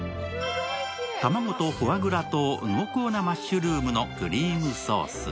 卵とフォアグラと濃厚なマッシュルームのクリームソース。